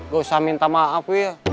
gak usah minta maaf ya